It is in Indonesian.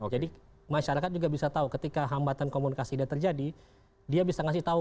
jadi masyarakat juga bisa tahu ketika hambatan komunikasi dan terjadi dia bisa ngasih tahu